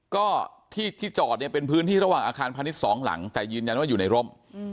ก็ที่ที่จอดเนี่ยเป็นพื้นที่ระหว่างอาคารพาณิชย์สองหลังแต่ยืนยันว่าอยู่ในร่ม